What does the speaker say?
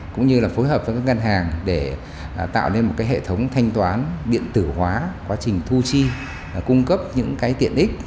cũng như là phối hợp với các ngân hàng để tạo nên một hệ thống thanh toán điện tử hóa quá trình thu chi cung cấp những cái tiện ích